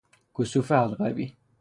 کسوف حلقوی